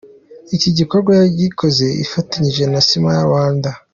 Iki gikorwa yagikoze ifatanyije na Smile Rwanda.